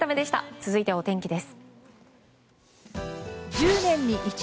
続いてはお天気です。